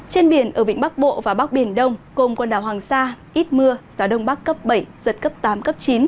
trên biển ở vịnh bắc bộ và bắc biển đông gồm quần đảo hoàng sa ít mưa gió đông bắc cấp bảy giật cấp tám cấp chín